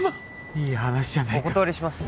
いい話じゃないかお断りします